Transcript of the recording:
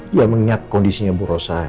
dia mengingat kondisinya bu rosa